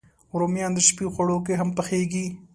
رومیان د شپی خواړو کې هم پخېږي